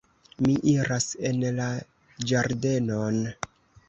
Mi iras en la ĝardenon.